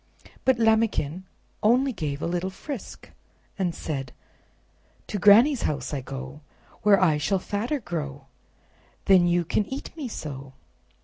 But Lambikin only gave a little frisk and said: "To Granny's house I go, Where I shall fatter grow, Then you can eat me so."